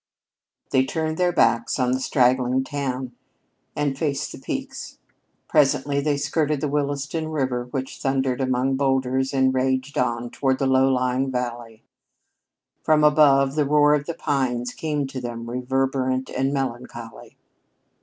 They turned their backs on the straggling town and faced the peaks. Presently they skirted the Williston River which thundered among boulders and raged on toward the low lying valley. From above, the roar of the pines came to them, reverberant and melancholy.